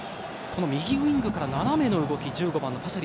右ウィングから斜めの動き１５番のパシャ